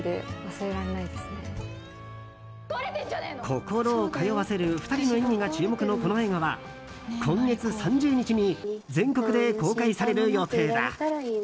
心を通わせる２人の演技が注目のこの映画は今月３０日に全国で公開される予定だ。